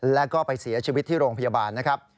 แล้วก็ไปเสียชีวิตที่โรงพยาบาลนะครับ